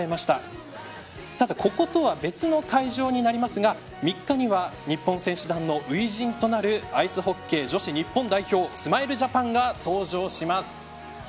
ただ、こことは別の会場になりますが３日には日本選手団の初陣となるアイスホッケー女子日本代表スマイルジャパンが登場します。